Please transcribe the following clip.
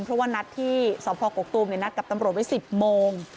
เพราะว่านัดที่สอบพอกกตูมเนี่ยนัดกับตำโหลดไว้สิบโมง